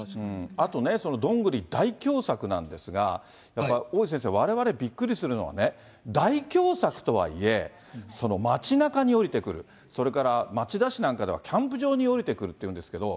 あとね、ドングリ大凶作なんですが、大井先生、われわれ、びっくりするのは大凶作とはいえ、街なかに下りてくる、それから町田市なんかではキャンプ場に下りてくるっていうんですけど、